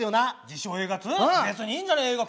別にいいんじゃねえか？